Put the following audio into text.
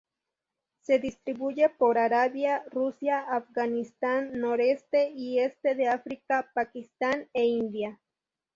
Se distribuye por Arabia, Rusia, Afganistán, noreste y este de África, Pakistán e India.